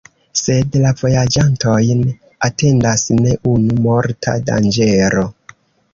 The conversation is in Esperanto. Sed la vojaĝantojn atendas ne unu morta danĝero.